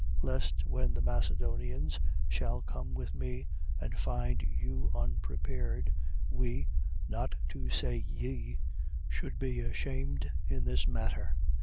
Lest, when the Macedonians shall come with me and find you unprepared, we (not to say ye) should be ashamed in this matter.